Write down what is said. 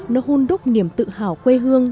nó hôn đúc niềm tự hào quê hương